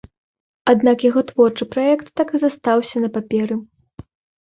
Аднак яго творчы праект так і застаўся на паперы.